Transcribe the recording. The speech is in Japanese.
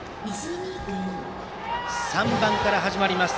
３番から始まります。